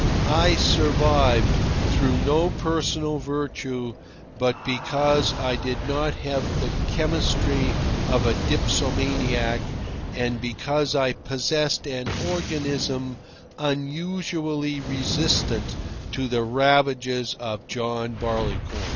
I survived, through no personal virtue, but because I did not have the chemistry of a dipsomaniac and because I possessed an organism unusually resistant to the ravages of John Barleycorn.